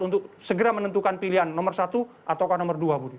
untuk segera menentukan pilihan nomor satu atau nomor dua budi